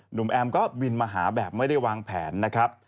หนุ่มแอมพิษภาพก็วินมาหาแบบไม่ได้วางแผนนะครับ